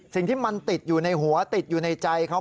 สิ่งที่มันติดอยู่ในหัวติดอยู่ในใจเขา